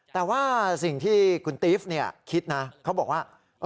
แต่ว่าสิ่งที่คุณตีฟคิดนะเขาบอกว่า